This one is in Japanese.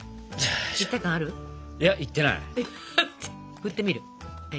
ふってみる？